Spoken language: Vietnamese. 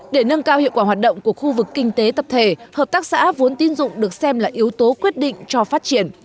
để nâng cao hiệu quả hoạt động của khu vực kinh tế tập thể hợp tác xã vốn tín dụng được xem là yếu tố quyết định cho phát triển